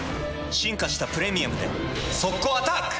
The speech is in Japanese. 進化した「プレミアム」で速攻アタック！